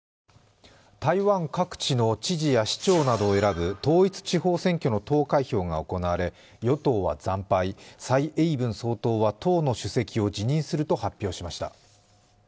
台湾各地の知事や市長などを選ぶ統一地方選挙の投開票が行われ、与党は惨敗、蔡英文総統は党の主席を辞任すると発表しました。